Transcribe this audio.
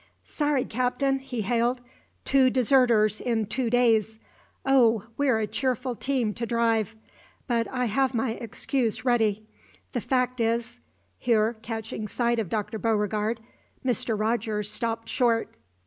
"Sorry, Captain!" he hailed. "Two deserters in two days! Oh, we're a cheerful team to drive! But I have my excuse ready. The fact is " Here, catching sight of Dr. Beauregard, Mr. Rogers stopped short.